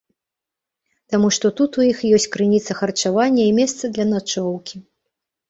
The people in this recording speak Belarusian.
Таму што тут у іх ёсць крыніца харчавання і месца для начоўкі.